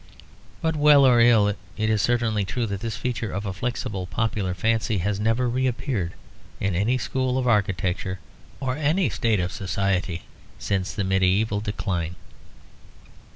But well or ill, it is certainly true that this feature of a flexible popular fancy has never reappeared in any school of architecture or any state of society since the medieval decline.